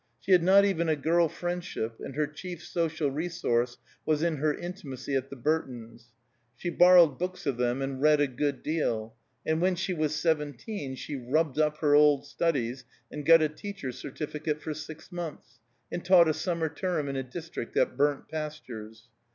She had not even a girl friendship, and her chief social resource was in her intimacy at the Burtons. She borrowed books of them, and read a good deal; and when she was seventeen she rubbed up her old studies and got a teacher's certificate for six months, and taught a summer term in a district at Burnt Pastures.